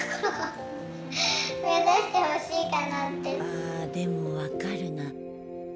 あでも分かるな。